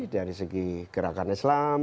dari segi gerakan islam